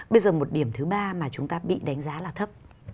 bây giờ một điểm thứ ba mà chúng ta bị đánh giá là thấp